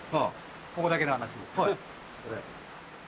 ここだけの話。